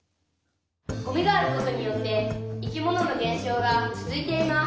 「ゴミがあることによって生き物の減少が続いています」。